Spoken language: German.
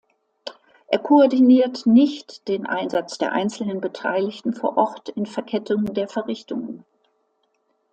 Er koordiniert nicht den Einsatz der einzelnen Beteiligten vor Ort in Verkettung der Verrichtungen.